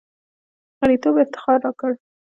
غړیتوب افتخار راکړ.